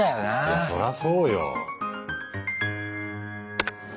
いやそらそうよ。